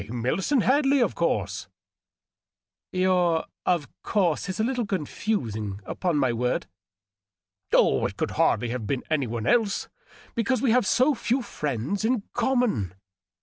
" Why, Millicent Hadley, of course." " Your ^ of course' is a little conftising, upon my word." "Oh, it could hardly have been any one else, — because we have so few firiiends in common.